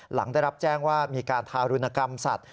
หลังได้รับแจ้งว่ามีการทารุณกรรมสัตว